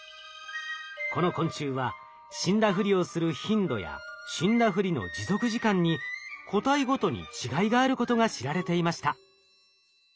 この昆虫は死んだふりをする頻度や死んだふりの持続時間に個体ごとに違いがあることが知られていました。